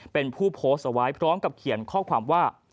เป็นผู้โพสต์เอาไว้พร้อมกับเขียนข้อความว่า